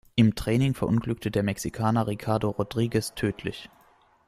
Im Training verunglückte der Mexikaner Ricardo Rodríguez tödlich.